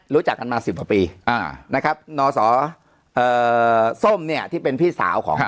รู้จักกันมาสิบหกปีอ่านะครับเนาะสอเอ่อที่เป็นพี่สาวของ